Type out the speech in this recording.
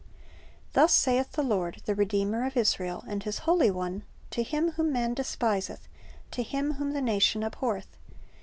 "Thus saith the Lord, the Redeemer of Israel, and His Holy One, to him whom man despiseth, to him whom the nation abhorreth